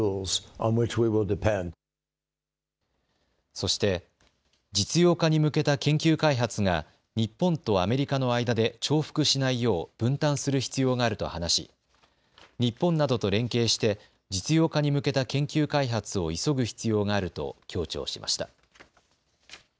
そして実用化に向けた研究開発が日本とアメリカの間で重複しないよう分担する必要があると話し日本などと連携して実用化に向けた研究開発を急ぐ必要があると強調しました。